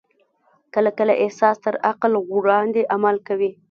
کله کله احساس تر عقل وړاندې عمل کوي.